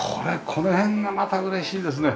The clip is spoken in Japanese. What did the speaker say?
この辺がまた嬉しいですね。